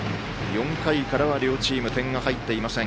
４回からは両チーム点が入っていません。